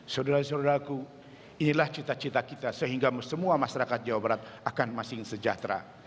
saudara saudaraku inilah cita cita kita sehingga semua masyarakat jawa barat akan masing sejahtera